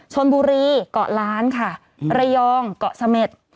ชนบุรีเกาะล้านค่ะระยองเกาะเสม็ด